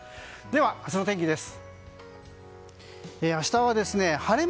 では、明日の天気です。